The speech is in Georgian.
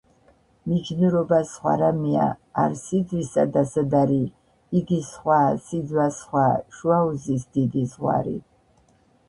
"მიჯნურობა სხვა რამეა, არ სძვისა დასადარი:იგი სხვაა, სიძვა სხვაა, შუა უზის დიდი ძღვარი